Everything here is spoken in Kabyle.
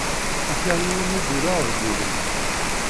Ufiɣ yiwen n udular deg ubrid.